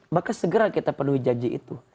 maka segera kita penuhi janji itu